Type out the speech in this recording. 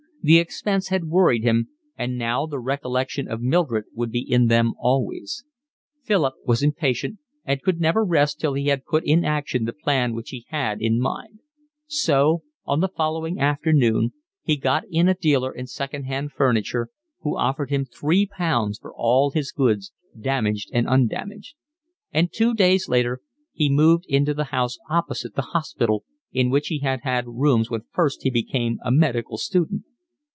The expense had worried him, and now the recollection of Mildred would be in them always. Philip was impatient and could never rest till he had put in action the plan which he had in mind; so on the following afternoon he got in a dealer in second hand furniture who offered him three pounds for all his goods damaged and undamaged; and two days later he moved into the house opposite the hospital in which he had had rooms when first he became a medical student.